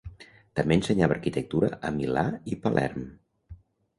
També ensenyava arquitectura a Milà i Palerm.